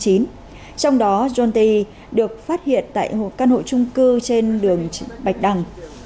trong đó john taiji được phát hiện tại căn hộ trung cư trên đường bạch đằng